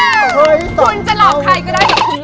ปุ๊บเดียวฉันรู้